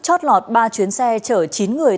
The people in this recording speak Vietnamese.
chót lọt ba chuyến xe chở chín người